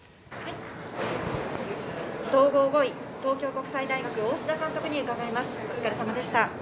総合５位、東京国際大学・大志田監督です。